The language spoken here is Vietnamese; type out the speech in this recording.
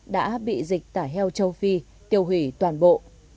đã bị dịch tả heo châu phi tiêu hủy toàn bộ